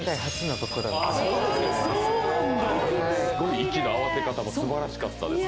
すごい、息の合わせ方もすばらしかったです